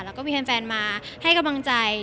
แล้วก็มีแฟนมาให้กำลังใจ